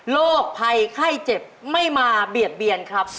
โรคภัยไข้เจ็บไม่มาเบียดเบียนครับ